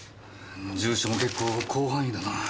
住所も結構広範囲だな。